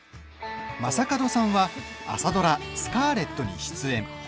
正門さんは朝ドラ「スカーレット」に出演。